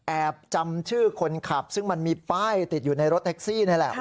จำชื่อคนขับซึ่งมันมีป้ายติดอยู่ในรถแท็กซี่นี่แหละ